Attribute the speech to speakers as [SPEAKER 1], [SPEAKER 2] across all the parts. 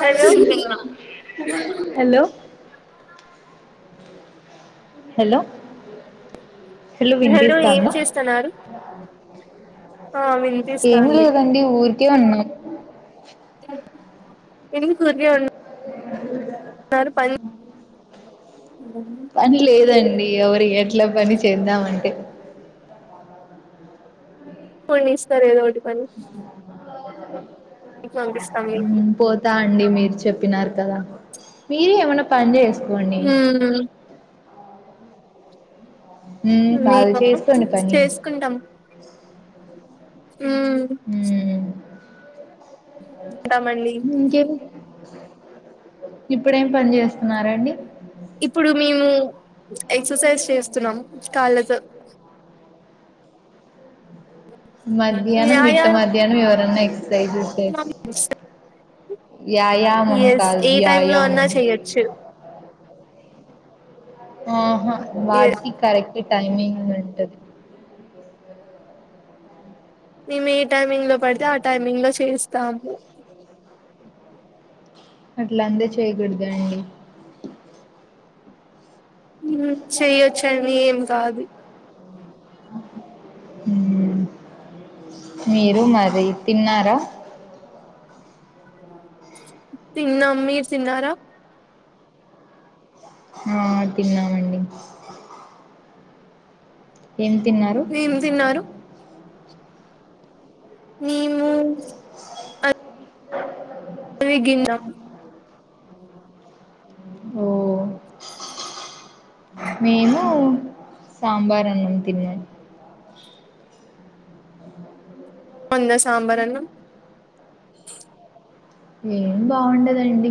[SPEAKER 1] Hello
[SPEAKER 2] hello hello hello
[SPEAKER 1] ఏం
[SPEAKER 2] విన్పిస్తాంద
[SPEAKER 1] చేస్తున్నారు ఆ
[SPEAKER 2] ఏం
[SPEAKER 1] వినిపిస్తాంది
[SPEAKER 2] లేదండి ఊరికే ఉన్నా
[SPEAKER 1] ఎందుకు ఊర్కే ఉన్న్ నారు పని
[SPEAKER 2] పని లేదండి ఎవరియట్లె పని చేద్దామంటే
[SPEAKER 1] పొండి ఇస్తరు ఏదో ఒకటి పని పంపిస్తాం మీకు
[SPEAKER 2] పోతా అండి మీరు చెప్పినారు కదా మీరు ఏమన్న పని చేసుకోండి
[SPEAKER 1] ఉమ్
[SPEAKER 2] మ్మ్ కాదు
[SPEAKER 1] మేమా
[SPEAKER 2] చేసుకోండి పని
[SPEAKER 1] చేసుకుంటం ఉమ్
[SPEAKER 2] ఉమ్
[SPEAKER 1] ఉంటామండి
[SPEAKER 2] ఇంకేమి ఇప్పుడేం పని చేస్తున్నారండి
[SPEAKER 1] ఇప్పుడు మేము ఎక్సర్సైజ్ చేస్తున్నాము కాళ్ళతో
[SPEAKER 2] మధ్యాహ్నం మిట్ట
[SPEAKER 1] వ్యాయామం
[SPEAKER 2] మధ్యాహ్నం ఎవరన్నా ఎక్ససైజ్ జెస్ యాయామం కాదు వ్యాయామం
[SPEAKER 1] చేయోచ్చు
[SPEAKER 2] ఆహా వాటికి కరెక్ట్ టైమింగ్ ఉంటది
[SPEAKER 1] మేము ఏ టైమింగ్ లో పడితే ఆ టైమింగ్ లో చేస్తాము
[SPEAKER 2] అట్ల అంటె చేయకూడదండి
[SPEAKER 1] ఉమ్ చెయొచ్చండి ఏం కాదు
[SPEAKER 2] ఉమ్ మీరు మరి తిన్నారా
[SPEAKER 1] తిన్నా మీరు తిన్నారా
[SPEAKER 2] ఆ తిన్నామండి ఏం తిన్
[SPEAKER 1] ఏం తిన్నారు మేము అవిగింజ
[SPEAKER 2] ఓ మేము సాంబార్ అన్నం తిన్న
[SPEAKER 1] బాగుందా సాంబార్ అన్నం
[SPEAKER 2] ఏం బాగుండదండి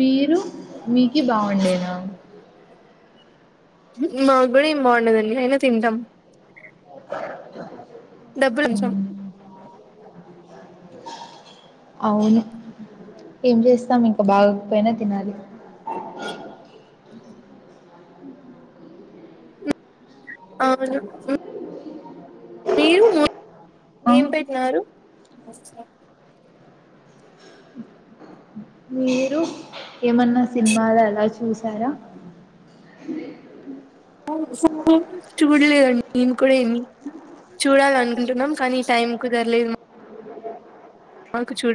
[SPEAKER 2] మీరు మీకు బాగుండేనా
[SPEAKER 1] మాకు కూడా ఏం బాగుండదండి అయినా తింటాం
[SPEAKER 2] [inaudible]
[SPEAKER 1] డబ్బులు ఇచ్చాము
[SPEAKER 2] మ్మ్ అవును ఏం చేస్తాం ఇంకా బాగకపోయినా తినాలి
[SPEAKER 1] అవును మీరు
[SPEAKER 2] ఆ
[SPEAKER 1] ఏం పెట్టినారు
[SPEAKER 2] మీరు ఏమన్నా సినిమాలు అలా చూసారా
[SPEAKER 1] చూడలేదండి నేను కూడా ఏమి చూడాలనుకుంటున్నాం కానీ టైం కుదరలేదు మాకు చూ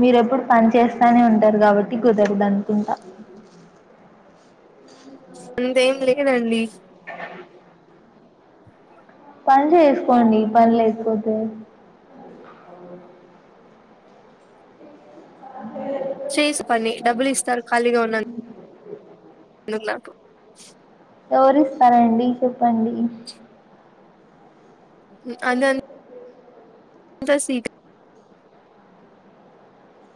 [SPEAKER 2] మీరెప్పుడు పని చేస్తానే ఉంటారు కాబట్టి కుదరదు అనుకుంటా
[SPEAKER 1] అంతేం లేదండి
[SPEAKER 2] పని చేసుకోండి పని లేకపోతే
[SPEAKER 1] చేసు పని డబ్బులు ఇస్తారు ఖాళీగా ఉన్న
[SPEAKER 2] ఎవరిస్తారండి చెప్పండి
[SPEAKER 1] అన్ ద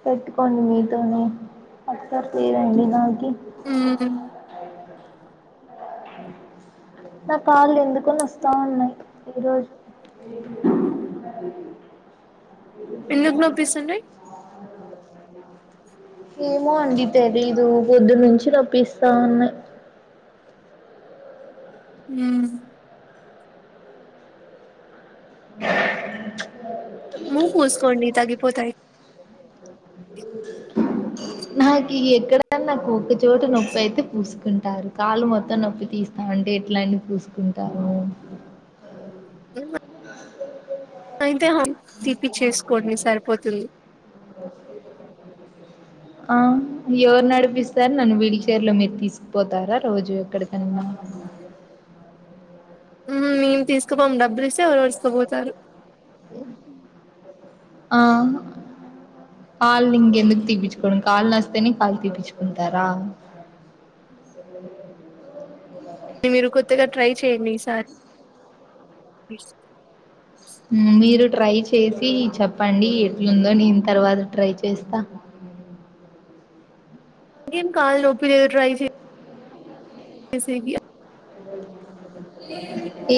[SPEAKER 2] పెట్టుకోండి మీతోనే అసలు చే రండి నాకి
[SPEAKER 1] ఉమ్
[SPEAKER 2] నా కాలు ఎందుకో నోస్తా ఉన్నాయి ఈ రోజు
[SPEAKER 1] అ ఎందుకు నొప్పిస్తు
[SPEAKER 2] ఏమో అండి తెలీదు పొద్దు నుంచి నోప్పిస్తా
[SPEAKER 1] ఉమ్ మూవ్ పూస్కోండి తగ్గి పోతే
[SPEAKER 2] నాకు ఎక్కడన్నా నా ఒక్కచోట నొప్పి అయితే పూసుకుంటా రు కాళ్ళు మొత్తం నొప్పి తీస్తా అంటే ఎట్లా పూసుకుంటారు
[SPEAKER 1] ఇ అయితే హఫ్ తీప్పచ్చేసుకోండి సరిపోతుంది
[SPEAKER 2] అ [inaudible] ఆ ఎవరు నడిపిస్తారు నన్ను వీల్ చైర్ లో మీరు తీసుకుపోతారా రోజు ఎక్కడికన్న
[SPEAKER 1] మేము తీసుకుపోం డబ్బులు ఇస్తే ఎవరనా తీసుకుపోతారు
[SPEAKER 2] ఆ కాళ్ళు ఇంకెందుకు తీప్పించుకోడం కాళ్లు నోస్తేనే కాళ్లు తీప్పించుకుంటారా
[SPEAKER 1] మీరు కొత్తగా ట్రై చేయండి ఈసారి
[SPEAKER 2] మీరు ట్రై చేసి చెప్పండి ఎట్లుందో నేను తర్వాత ట్రై చేస్తా
[SPEAKER 1] ఏం కాలు నొప్పి ట్రై చేసేకి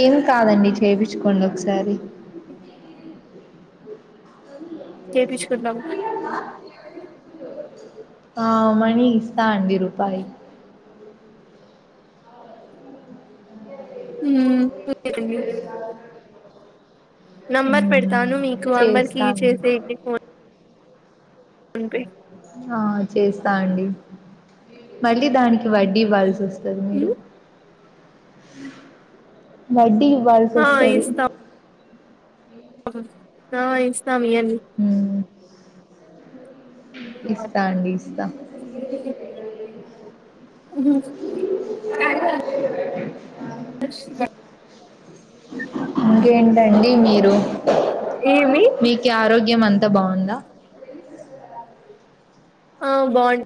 [SPEAKER 2] ఏమి కాదండి చేపిచుకోండి ఒకసారి
[SPEAKER 1] చెప్పిచు కుందామ్
[SPEAKER 2] ఆ మనీ ఇస్తా అండి రూపాయి
[SPEAKER 1] ఉమ్ [unintelligible] నమ్మర్ పెడ్
[SPEAKER 2] మ్మ్.
[SPEAKER 1] తాను మీకు అమరికి
[SPEAKER 2] చేస్తా అండి
[SPEAKER 1] చేసే ఫోన్ అంటే
[SPEAKER 2] ఆ చేస్తా అండి మళ్ళీ దానికి వడ్డీ ఇవ్వాల్సి వస్ మీరు వడ్డీ ఇవ్వాల్సి
[SPEAKER 1] ఆ
[SPEAKER 2] వస్తది
[SPEAKER 1] నా ఇస్తాం ఇయ్యన్
[SPEAKER 2] ఉహు ఇస్తా అండి ఇస్తా
[SPEAKER 1] అది [unintelligible]
[SPEAKER 2] ఇంకేంటండి మీరు
[SPEAKER 1] ఏమి
[SPEAKER 2] మీకు ఆరోగ్యం అంత బాగుందా
[SPEAKER 1] ఆ బాం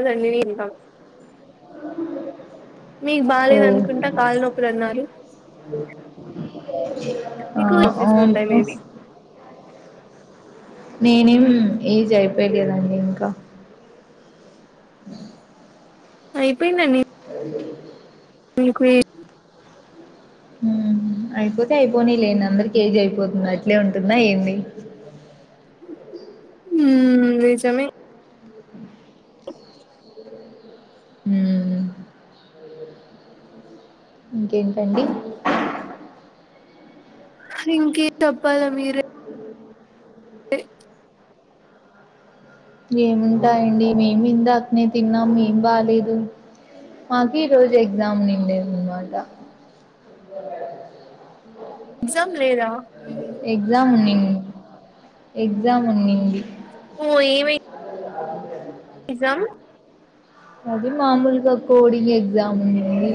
[SPEAKER 1] అదం వీకా మీకు
[SPEAKER 2] ఓ
[SPEAKER 1] బాగాలేద అనుకుంటా కాళ్ళ నొప్పులు అన్నారు
[SPEAKER 2] ఆ,
[SPEAKER 1] మీకు చూపిస్తు ఉంటాయి
[SPEAKER 2] అవును
[SPEAKER 1] మేబీ
[SPEAKER 2] నేనేం ఏజ్ అయిపోయలేదాండి ఇంకా
[SPEAKER 1] అయిపోయిందన్
[SPEAKER 2] అవునా
[SPEAKER 1] మీకు
[SPEAKER 2] అయిపోతే అయిపోనీ లేం అందరికిఏజీ అయిపోతుంద అట్లే ఉంటుందా ఏంది
[SPEAKER 1] హ్మ్ నిజమే
[SPEAKER 2] హ్మ్. ఇంకేంటండి
[SPEAKER 1] ఇంకేం చప్పాల మీరె అ
[SPEAKER 2] ఏముంటాయండి మేము ఇందాకనే తిన్నాము ఏం బాలేదు మాకి ఈరోజు ఎగ్జామ్ ఉన్నిండేది అన్నమాట
[SPEAKER 1] ఎగ్జామ్ లేదా
[SPEAKER 2] ఎగ్జామ్ ఉన్నిం ఎగ్జామ్ ఉన్నింది
[SPEAKER 1] పోయి ఎగ్జామ్
[SPEAKER 2] అది మామూలుగా కోడింగ్ ఎగ్జామ్ ఉందింది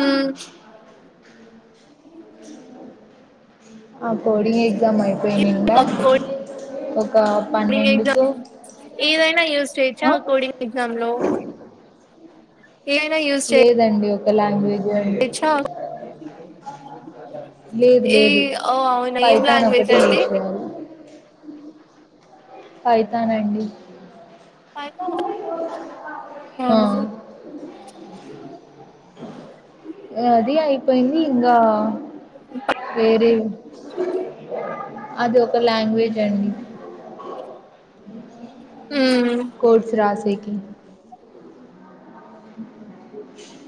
[SPEAKER 1] ఉ
[SPEAKER 2] ఆ కోడింగ్ ఎగ్జామ్ అయిపోయి నిండా ఒక
[SPEAKER 1] కోడింగ్ ఎగ్జామ్
[SPEAKER 2] పన్నెండుకో
[SPEAKER 1] ఏదైనా యూస్ చేయొచ్చా ఆ కోడింగ్ ఎగ్జామ్లో ఏదైనా యూస్ చేయ్
[SPEAKER 2] లేదండి ఒక లాంగ్వేజ్ అండి.
[SPEAKER 1] చ్చ
[SPEAKER 2] లేదు లేదు పైతాన్
[SPEAKER 1] లాంగ్వేజ్
[SPEAKER 2] ఒకటే
[SPEAKER 1] అండి
[SPEAKER 2] యూస్ చేయాలి పైతాన్ అండి
[SPEAKER 1] పైతాన్
[SPEAKER 2] ఆ
[SPEAKER 1] అవును
[SPEAKER 2] అది అయిపోయింది ఇంకా వేరేవి అది ఒక లాంగ్వేజ్ అండి
[SPEAKER 1] ఉమ్
[SPEAKER 2] కోర్స్ రాసేకి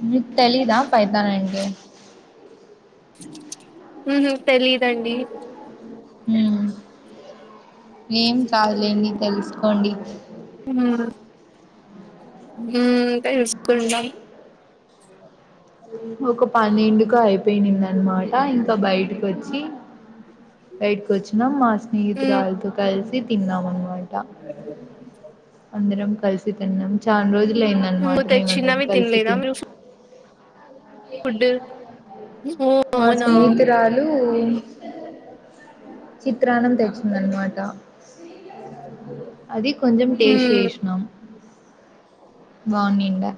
[SPEAKER 2] మీకు తెలీదా పైథాన్ అంటే
[SPEAKER 1] ఉహ్ ఉమ్ తెలిదండి
[SPEAKER 2] ఉమ్ ఏం కాదు లేండి తెలుసుకోండి
[SPEAKER 1] ఉహ్ ఉమ్ తెలుసుకుంటాం
[SPEAKER 2] ఒక పన్నెండుకు అయిపోయింది అనమాట ఇంకా బయటకు వచ్చి బయటకు వచ్చినా మా
[SPEAKER 1] హ్మ్
[SPEAKER 2] స్నేహితురాలతో కలిసి తిన్నాం అనమాట అందరం కలిసి తిన్నాం చాలా రోజులు అయింద అనమాట
[SPEAKER 1] నువ్వు
[SPEAKER 2] మేమ అందరం
[SPEAKER 1] తెచ్చినవి
[SPEAKER 2] కలిసి
[SPEAKER 1] తినలేదా
[SPEAKER 2] తినిం
[SPEAKER 1] మీరు ఫుడ్ ఓ
[SPEAKER 2] మా
[SPEAKER 1] అవునా
[SPEAKER 2] స్నేహితురాలు చిత్రాన్నం తెచ్చిందన్నమాట అది కొంచెం టేస్ట్
[SPEAKER 1] హ్మ్
[SPEAKER 2] చేసినాం బాగునిండా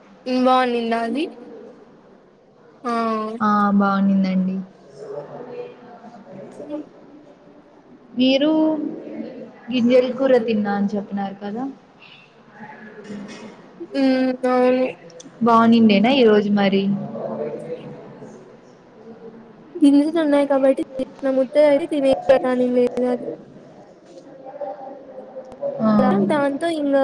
[SPEAKER 1] బాగుండిందా అది ఆ
[SPEAKER 2] ఆ బాగుండింది అండి
[SPEAKER 1] సరే
[SPEAKER 2] మీరు గింజలకూర తిన్న అని చెప్పినారు కదా
[SPEAKER 1] ఉమ్ అవును
[SPEAKER 2] బాగుందిదేనా ఈ రోజు మరి
[SPEAKER 1] గింజలు ఉన్నాయి కాబట్టి తిన్న ఉతది అయితే తినే దాని లేదు అది
[SPEAKER 2] ఆ
[SPEAKER 1] మొత్తం దాంతో ఇంకా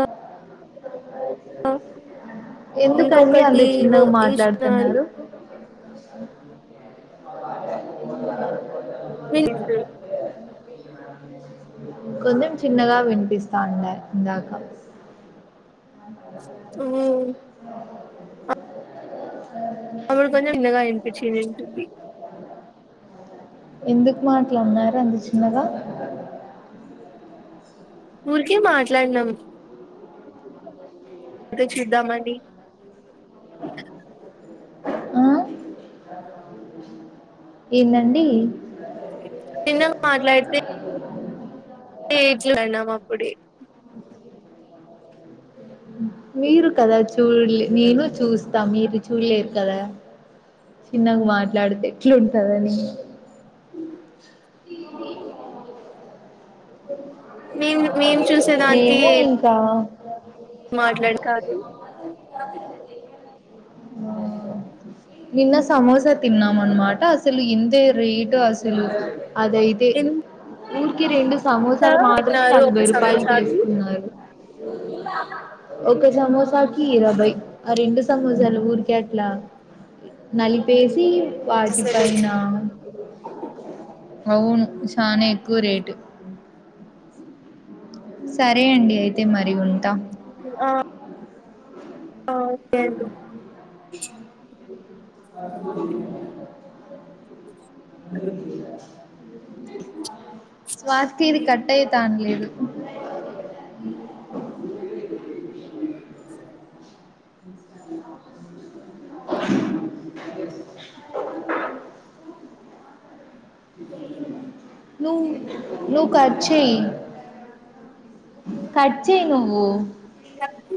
[SPEAKER 2] ఎందుకండి అంత
[SPEAKER 1] ఇంకొకటి ఓ
[SPEAKER 2] చిన్నగా
[SPEAKER 1] వేసినారు
[SPEAKER 2] మాట్లాడుతున్నారు
[SPEAKER 1] మిక్
[SPEAKER 2] కొంచెం చిన్నగా వినిపిస్త ఉండే ఇందాకా
[SPEAKER 1] ఉహ్మ్ అప్పుడు కొంచెం చిన్నగా వినిపించింది
[SPEAKER 2] ఎందుకు మాట్లాడీన్నారు అంత చిన్నగా
[SPEAKER 1] ఊరికే మాట్లాడినాం అదే చూద్దాం అండి
[SPEAKER 2] ఆ ఏందండి
[SPEAKER 1] చిన్నగా మాట్లాడితే
[SPEAKER 2] [inaudible]
[SPEAKER 1] ఏట్ల అన్నామాప్పుడి
[SPEAKER 2] మీరు కదా చూడలే నేను చూస్తా మీరు చూడలేరు కదా చిన్నగా మాట్లాడితే ఎట్లుంటదని [inaudible]
[SPEAKER 1] మేం మేము
[SPEAKER 2] మేము ఇంకా
[SPEAKER 1] మాట్లాడి కాదు
[SPEAKER 2] ఉ ఆ నిన్న సమోస తిన్నామన్నమాట అసలు ఎంతే రేటో అసలు అదైతే
[SPEAKER 1] ఎంత
[SPEAKER 2] ఊరికే రెండు సమోసాలు మాత్రమే
[SPEAKER 1] పెట్టినారు ఒక
[SPEAKER 2] నలభై రూపాయలు
[SPEAKER 1] సమోసాకి
[SPEAKER 2] తీసుకున్నారు ఒక సమోసా కి ఇరవై ఆ రెండు సమోసాలు ఊరికే అట్లా నలి పేసి
[SPEAKER 1] అసలు
[SPEAKER 2] వాటిపైన అవును చానా ఎక్కువ రేటు సరే అండి అయితే మరి ఉంటా
[SPEAKER 1] అ అ ఒకే అండి
[SPEAKER 2] ఆ [unintelligible] స్వా [unintelligible] తి ఇది కట్టయ్తాన్లేదు [inaudible] నువ్ నువ్వు కట్ చెయ్ కట్ చెయ్ నువ్వు
[SPEAKER 1] కట్